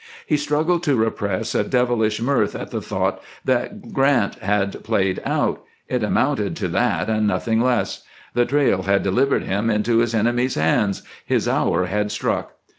He struggled to repress a devilish mirth at the thought that Grant had played out it amounted to that and nothing less; the trail had delivered him into his enemy's hands, his hour had struck.